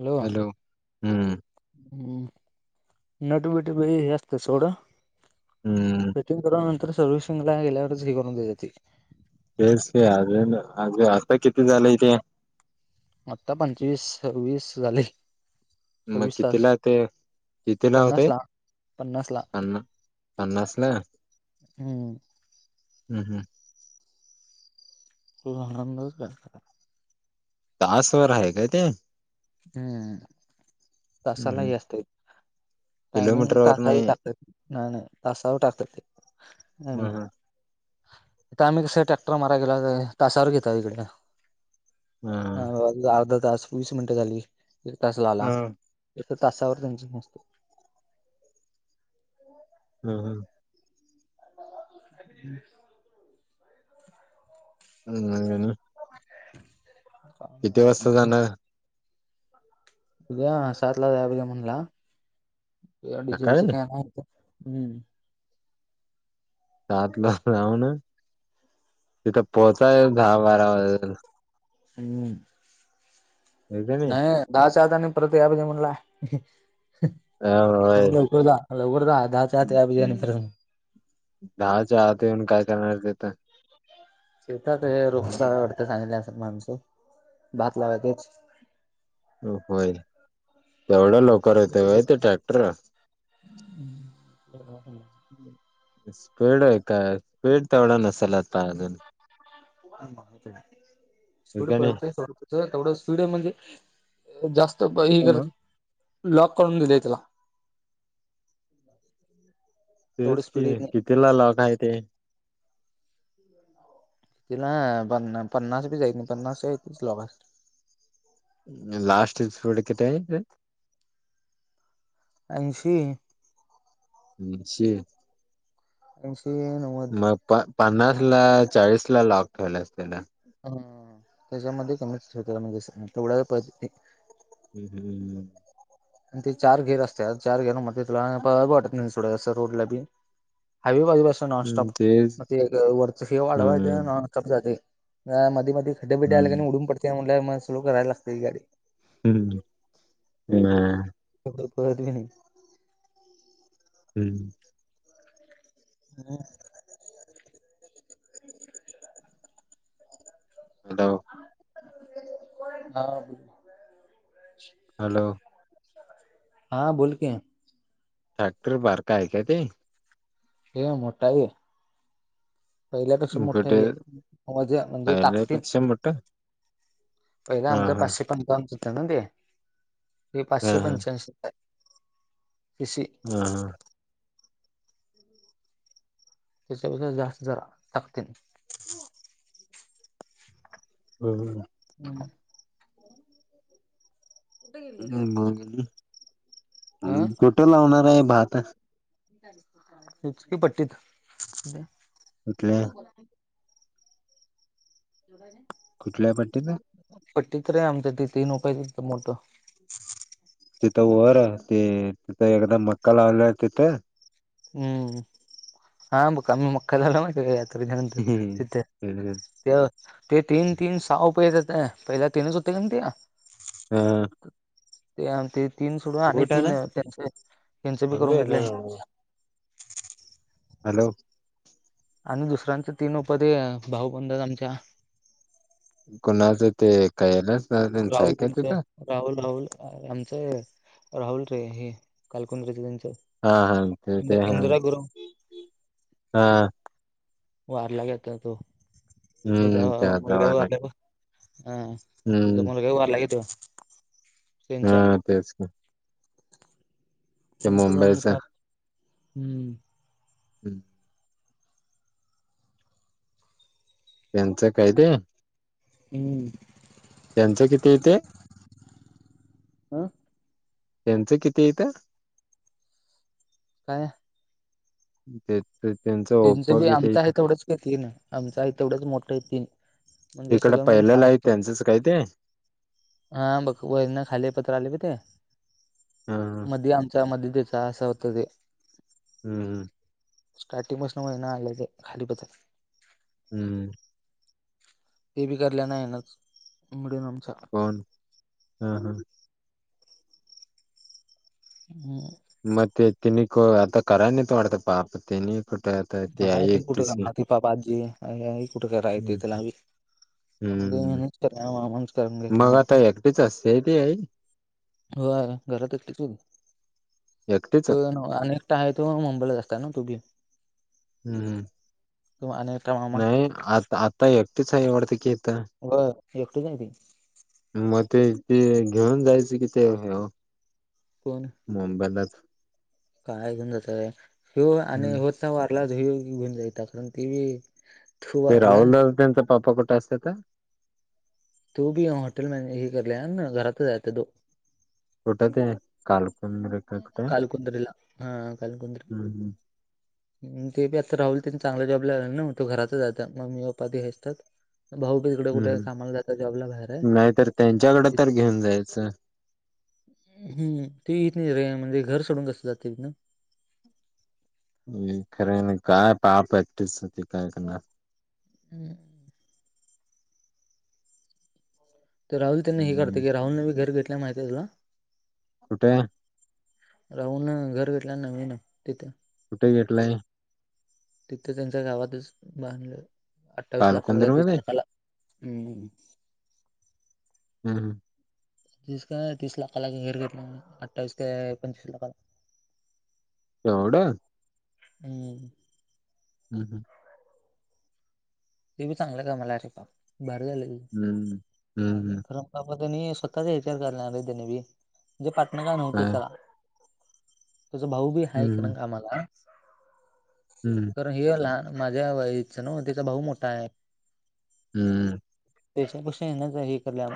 Hello हम्म नट बट बई असस्त सोड हम्म सेटिंग करून नंतर सर्वविसिंगला गेल्यावरच हे करून देती तेस अजे अज आता किती झालंय तेे आत्ता पंचवीस वीस झाली मग कितीला ते तिथे ला होते पन्नास ला पन्ना पन्नास ला हम्म हम् हम तु आनंद कर तासवरर आहे काय ते हम्म हम्म तसाालाही असत टायमिंग किलोमीटर वर तासाला नाही टाकतात नाही नाही तासाला टाकतात ते ह म आम्ही कसं ट्रॅक्टर मारा गेला तावर घेतो तिककडे हा ह अर्धा तास वीस मिनिटं झाली एक तास ला आला एक तासावर त्यांची नसतो हा हा हम् [unintelligible] हम् हे ना [unintelligible] किती वासता जाण उद्या सात ला जायाला पाहिजे म्हणला डिझेलचं सकाळी काय हम्म सात ल जाऊ ना तिथं पोहचायल दहा बारा वाजल हम्म होय का नाही दहाच्या आत आनी परत याला काय म्हणला? म होय लवकर जा लवकर दहा दहाच्या आहात येऊन काय करणार तिथं? शेतात हे रोखच वाटत चांगले असं माणसं भात लावाय तेच होय तेवढं लोक स्पीड आहे काय स्पीड तेवढा नसेल आता अजून हे पुढं का नाही. पळतय जा तेवढं स्टिंड म्हणजे जास्त हे ह. करत लॉक करून दिलेय तुला तेच की किती ला लॉक आहे ते? तिला पन्ना पन्नास बी जायत नाही पन्नास त [unintelligible] लॉ लास्ट [unintelligible] दिड कि आहे ऐंशी ऐंशी ऐंशी नऊ मग प पन्नास ला चाळीस ला लॉक ठेवला अस त्याला ह त्याच्यामध्ये कमीच ठ [unintelligible] म्हणजे तेवढा हम् हम् आणि ते चार घेर असते चार घेर मग तुला बट रोड ला ते हायवे बाजूला हम्म नॉनॉप तेच वर हे हम्म वाढवाॉनॉप जाते म म [unintelligible] खड्डेबड् आले का हम्म उडून पडय म्हलं मला स्लो कराय लागतयच गाडी हम्म ह करत [unintelligible] हम् हा हलव हा ब हॅलो हां बोल की फॅक्टरी बारका आहे काय ते? ह मोटा आहे की, पहिल्यापेक्षा मोठ कुठे हेज म्हणजे ताकतीन चंबट पहिले आमचं पाचशे पंचावन होत ना ते ते हा पाचशे हा पंच्याऐशी कशी हा हा. त्याच्यापेक्षा जास्त जरा ताकतीन हम हम्म हा कुठे लावणार आहे भात? तेचकी पट्टीत कुठल्या कुठल्या पट्टीला पट्टी तर आहे आमच्या त तीन उपाय मोठ तिथं वर ते तिथ एकदा मक्का लावला तिथं हम्म हा बघ आम्ही मका झाला ना कायात त विधानंत च ते तीन तीन सहा उपय ज पहिल्या तीनच होते का ते ह ते ते तीन सोडून आणि कुठ ना तीन त्यांचे त्यांचे बी करून म्हणजे ना घेतलेय हॅलो आणि दुसऱ्यांच तीन पध भाऊ बंधात आमच्या कुणाचं ते कायलाच नच राहुल ऐकत त्यांचं होेत राहुल राहुल आमचं राहुल रे हे कालकुन रेच त्यांचं हा हा ते इंद ते हा इंदिरा गुरव हा वारलागेता तो तुझा हम्म त्या मुलगा जावाला वारला अ तुझा हम्म मुलगा वारला क त हा तेच का त्यांच करून मुंबईच घेतलं हम्म हम्म त्यांचं काय ते हम्म त्यांचं किती य तेे त्यांचं किती येतं काय ठीक त्यांच त्यांचं बी आमच आहे तेथवडंच का ती आमच आहे तेवढंच मोठं आहे ती इकडे पहिलेलं आहेत त्यांचंच काय ते? हाम बघ वरन खालेपतर आलय बघ ते, ह मधी आमच्या मधी त्याच हा आस होतं ते हुं हुं. स्टार्टिंग पासन वरण आलय ते खाली पतर हम्म. हे बी करल्यान हाय हेनच मिडून आमच्या हो ना हा हा. हम्. म ते तेनिक आता कराय नाईत वाटत, पाप तेनी कुठ येतय? हा हाय ते कुठं काम हाती पाप बाबा आजी कुठे कराय ते हम्म त्याला लावील. हम्म. च [unintelligible] मग आता एकटीच असते ती आई व्हय घरातच एकटीच होती ना एकटीच तोय नवरा आणि अनेकटा हाय तो मुंबईलच असतात ना तो बी हम् हम् तो आणि एकटा मामा नाही आता आता एकटीच आहे आवडतें की इथ बर येतो मी बी मग ते ते घेऊन जायच कि ते ह्याव कोण? मुंबईलाच काय घेऊन जाताय? ह्यो आणि हम्म ह्यो होता वारला ह्यो घेऊन जाईता पण ती अ ते राहुल दाल त्यांचे पाप्पा कुठे असत्यात ओ. तो कणी हॉटेल मॅनेजमेंट घेतल्यानं, घरातच आहे आता तो कुठ ते अ? कालकुंदरे. कालकुंद्रीला हा हा कालकुंद्र हम्म अन् ते बी आता राहुल तेन त्यां चांगल्या जॉबला हाय न्हव, तो घरातच हाय आता मम्मी पप्पा ते हे आसत्यात भाऊ बी तिकड कुठ? हम्म कामाला जात्यात जॉबला बाहेरच नाहीतर त्यांच्याकडे हाय तर इथच घेऊन जायचं हुं हुं ते येत नाहीत रे म्हणजे घर सोडून कस जातील ना? खरे हाय ना काय पाप प्रॅक्टिस ते काय करणार? हुं. ते राहूल त्यांना हे करतय हम्म की, राहूलन बी घर घेतल्या माहित हाय तुला कुठ? राहूलन घर घेतल्याल नविन तिथ कुठ घेतलय? तिथं त्यांच्या गावातच बांधलं, अठ्ठावीस लाखाला का पालकुंद्र तीस मध्ये लाखाला हुं. हम्म. तीस काय तीस लाखाला घर घेतला म्हण, अठ्ठावीस काय पंचवीस लाखाला एवढ? हुं. हम् हुं. ते बी चांगल्या कामाला हाय. अरे पाप बर झाल हम्म राहुल्या हम्म खरं बाबा त्यांनी स्वतःचा इचार केला त्यान बी, म्हणजे पाटन काय नव्हतच तेला त्याच भाऊ बी हाय खरं हम्म न कामाला हम्म. करण हे लहान माझ्या वयाच ना तेचा भाऊ मोठा हाय. हुं हुं. त्याच्यापेक्षा हेनच हे करल्याल,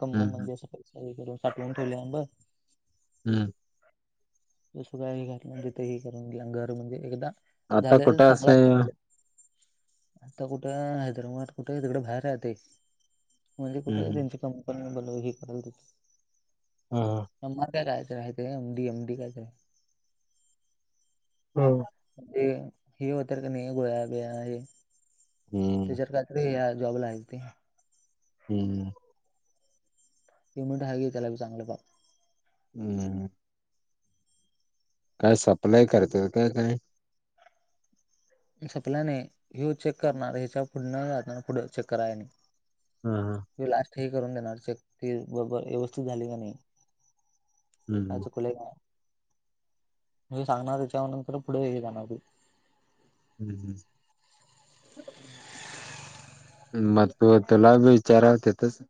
कमवून हम्म म्हणजे असं काही सगळीकडे साठवून ठेवले बघ. हम्म. सं काय हे घातलं तथ हे करून गेलं घर म्हणजे एकदा आता झाले कुठं असय चांगलंच [unintelligible] आता कुठे हैदराबाद कुठे तिकडे बाहेर राहते. म्हणजे कुठे हम्म त्यांची कंपनी ब ह [unintelligible] कराल त हा.. म का कायच राह ते एम, डी, एम, डी कायच. हम्म. म्हणजे हे होत का नाही गोळ्याबिया हे हम्म त्याच्यार का ते जॉबलाय आहेत ते. हम्म.. सिमंट आहे त्याला चगलं पा हम्म. काय सप्लाय करतो काय, काय? सपल्या नाही ह चेक करणार ह्याच्या पुढन जातायनी पुढे चेक कराय नाही. हा हा. लास्ट ह करून देणार चेक ती बरोबर व्यवस्थित झाली का नाही. का हम्म चुकुले का म सांगणार त्याच्यावर नंतर पुढे येई जाणार हम्म हम्म. ह [unintelligible] म्हटल तुला विचार होते तस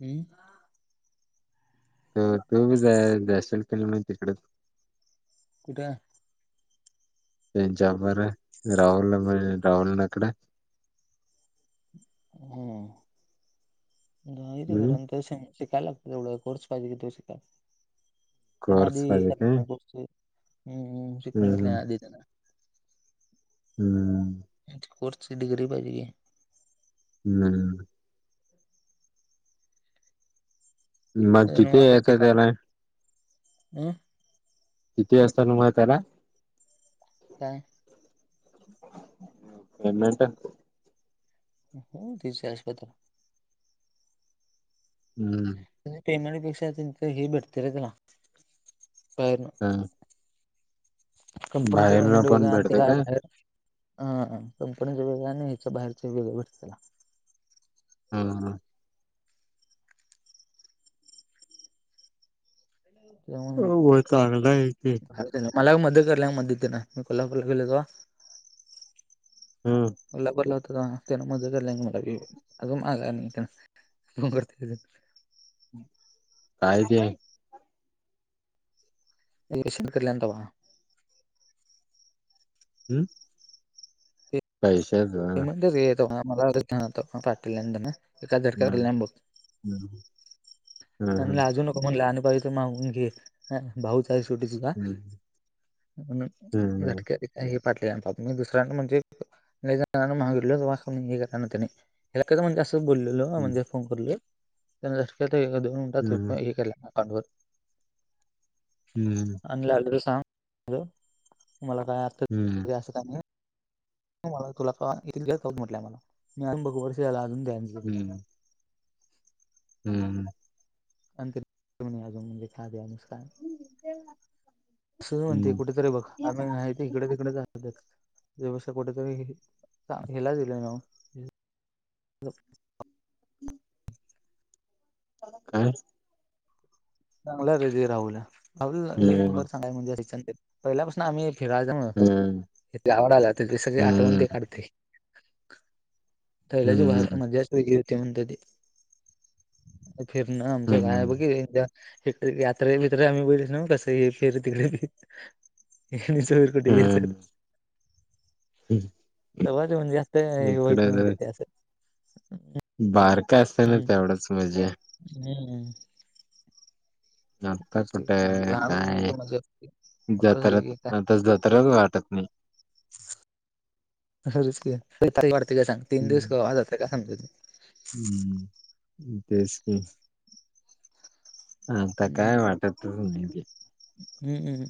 हम्म. तर तू बी जा जाशिल किनाय तिकड कुठे? तेनच्यापर राहुल राहुल ना अकडे हम्म. ते कर हम्म त शिकायला लागत तेवढा कोर्स पाहिजे की तो शिकायला. त्यांना आधी कोर्स हे मध्ये करणार काय लागत होत शिकून हम्म घेतल्या आधी त्यांला हम्म. कोर्सची डिग्री पाहिजे की. हम्म. मग की किती निवांत आहे असते काम एखाद्याला? हम्म. किती असतान वय त्याला? काय? एट [unintelligible] हो तिसच्या आसपास. हम्म. पेमेंटपेक्षा त्यांच हे भेटते रे त्याला बार हम्म. कंपनीचे बाहेरन कमेंट वज पण आणि भेटते तला का बाहेर [unintelligible] हा कंपनीचा वेगळा आणि ह्याच बाहेरच वेगळे भेटत. हम्म हम्म. हो चांगला आहे की त्यामुळे मला मदत कराया मदतीला एक लाख रूपये लगवा. हम्म. ला बरला होता त्या मजा केला मला अजून आला नाही [unintelligible] द बारतेज [unintelligible] काय ते. शिकल्यावर तवा? हम्म पैसेच [unintelligible] हम लाजू नको काही लागल मागून घे. सुटची का ह झटक [unintelligible] [unintelligible] [unintelligible] हम्म आणि लागलं तर सांग मला काय अर्थ ह असं का नाही. [unintelligible] हम्म हम्मम [unintelligible] अस म्हणते ह कुठेतरी बघ आम्ही नाही इकडे तिकडे कुठेतरी ह [unintelligible] [inaudible] हम् [unintelligible] [unintelligible] पहिल्यापासून आम्ही फिरायला जामु इथे आवड आला तिथ सगळी आठवण ते काढते. [unintelligible] [unintelligible] हे यात्रे मित्र आम्ही बोलच ना कसं हे फेर तिकडे जोर [unintelligible] हम्म [unintelligible] [unintelligible] हम् आता कुठे लहानपणी काय तर मजा मोठं जत्रा झालं आता जत्राच वाटत नाही. त [unintelligible] [unintelligible] आ आता काय वाटत तस नाही. हम्मम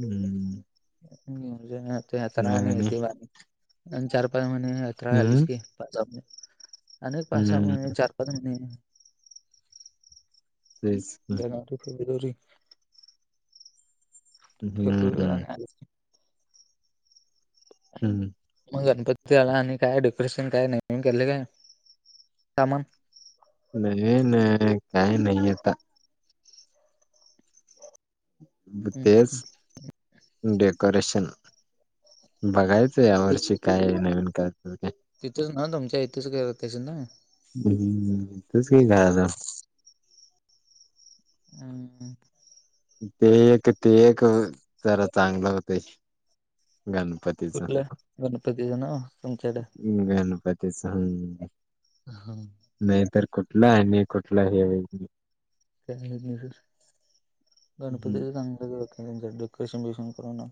हम्म यात्रा आणि नाही नाही येते बाारी आणि चार पाच महिने यात्रा आालीस हम्म की, हम्म [unintelligible] तेच की. जानेवारी फेब्रुवारी फेब्रुवारी हम्म आणि आगस्ट हम् ह मग गणपती आला आणि काय डेकोरेशन काय ने केले काय सामान नाही नाही काय नाही आता. हम्म. तेच डेकोरेशन बघायच या ति- वर्षी काय नवीन करत काय तिथंच ना तुमच्या इथेच त ना हम्म तेच काय कायतां [inaudible] ते एक ते एक जरा चांगलं होत गणपती. कुठलं? गणपतीच ना तुमच्याकडे ह गन पातीच हम् ह हां नाही तरर कुठला आहे कुठला हे हम्म गणपती सांग त्यांचं डेकोरेशन बकोशन करून